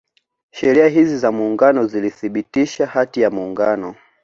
Sheria hizi za Muungano zilithibitisha Hati za Muungano